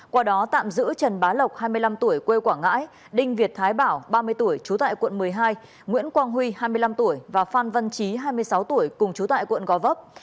qua đó tạm giữ trần bá lộc hai mươi năm tuổi quê quảng ngãi đinh việt thái bảo ba mươi tuổi trú tại quận một mươi hai nguyễn quang huy hai mươi năm tuổi và phan văn trí hai mươi sáu tuổi cùng chú tại quận gò vấp